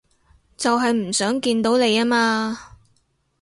就係唔想見到你吖嘛